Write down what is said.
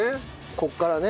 ここからね。